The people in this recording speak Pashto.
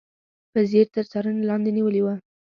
په ځیر تر څارنې لاندې نیولي و.